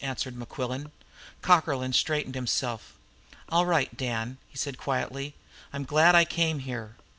answered Mequillen. Cockerlyne straightened himself. "All right, Dan," he said quietly. "I'm glad I came here.